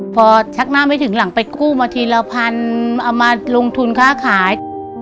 พอชักหน้าไม่ถึงหลังไปกู้มาทีละพันเอามาลงทุนค่าขาย